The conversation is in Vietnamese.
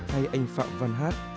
hay anh phạm văn hát